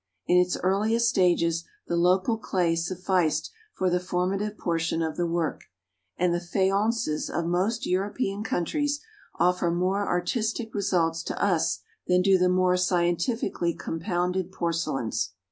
In its earliest stages the local clay sufficed for the formative portion of the work, and the faiences of most European countries offer more artistic results to us than do the more scientifically compounded porcelains.